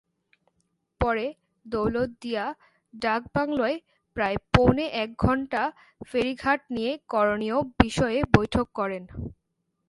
পরে দৌলতদিয়া ডাকবাংলোয় প্রায় পৌনে একঘণ্টা ফেরিঘাট নিয়ে করণীয় বিষয়ে বৈঠক করেন।